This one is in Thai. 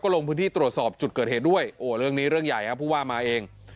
ลงพื้นที่ตรวจสอบจุดเกิดเหตุด้วยโอ้เรื่องนี้เรื่องใหญ่ครับผู้ว่ามาเอง